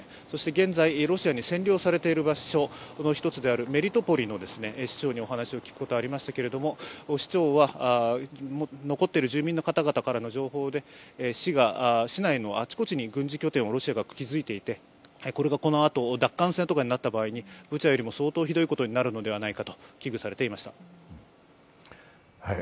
そして、現在ロシアに占領されている場所の一つである、メリトポリの市長にお話を聞くことがありましたけれども、市長は、残っている住民の方々からの情報で市内のあちこちに軍事拠点をロシアが築いていて、これがこのあと、奪還戦のようになった場合にブチャよりも相当ひどいことになるのではないかと危惧していました。